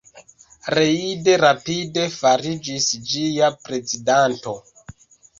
Reid rapide fariĝis ĝia prezidanto.